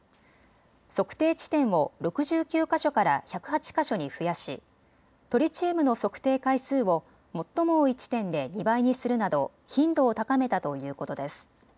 測定地点を６９か所から１０８か所に増やしトリチウムの測定回数を最も多い地点で２倍にするなど頻度を高めたということです。